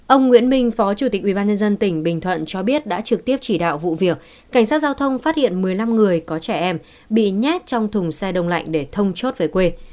ông nguyễn minh phó chủ tịch ubnd tỉnh bình thuận cho biết đã trực tiếp chỉ đạo vụ việc cảnh sát giao thông phát hiện một mươi năm người có trẻ em bị nhát trong thùng xe đông lạnh để thông chốt về quê